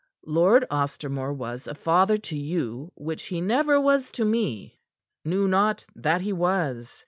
"Lord Ostermore was a father to you, which he never was to me knew not that he was.